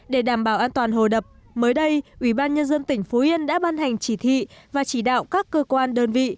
để đảm bảo an toàn hồ đập mới đây ủy ban nhân dân tỉnh phú yên đã ban hành chỉ thị và chỉ đạo các cơ quan đơn vị